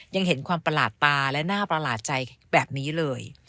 ยังเห็นความประหลาดตาและน่าประหลาดใจแบบนี้เลย